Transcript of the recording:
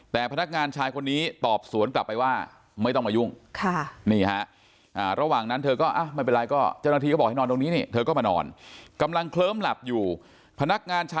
แต่พนักงานชายคนนี้ตอบสวนกลับไปว่าไม่ต้องมายุ่ง